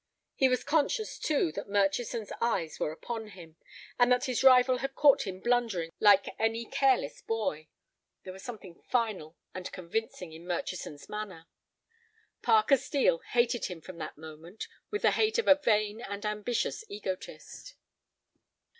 He was conscious, too, that Murchison's eyes were upon him, and that his rival had caught him blundering like any careless boy. There was something final and convincing in Murchison's manner. Parker Steel hated him from that moment with the hate of a vain and ambitious egotist.